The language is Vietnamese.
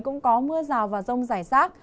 cũng có mưa rào và rong dài rác